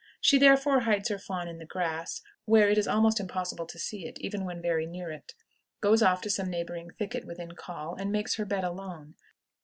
She therefore hides her fawn in the grass, where it is almost impossible to see it, even when very near it, goes off to some neighboring thicket within call, and makes her bed alone.